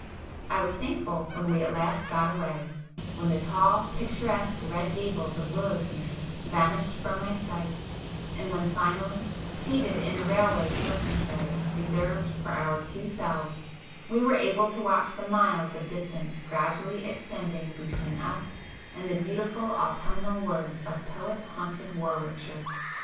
I was thankful when we at last got away,—when the tall, picturesque red gables of Willowsmere vanished from my sight,—and when finally, seated in a railway smoking carriage reserved for our two selves, we were able to watch the miles of distance gradually extending between us and the beautiful autumnal woods of poet haunted [p 384] Warwickshire.